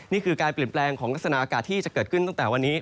นี่คือการเปลี่ยนแปลงของลักษณะอากาศที่จะเกิดขึ้นตั้งแต่วันนี้